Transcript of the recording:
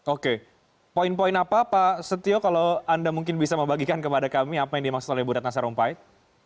oke poin poin apa pak setio kalau anda mungkin bisa membagikan kepada kami apa yang dimaksud oleh bu ratna sarumpait